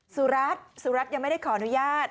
สุรัตน์สุรัตน์ยังไม่ได้ขออนุญาต